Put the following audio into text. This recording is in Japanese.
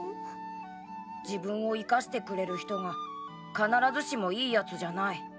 自分を生かしてくれる人が必ずしもいい奴じゃない。